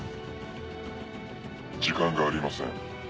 時間がありません。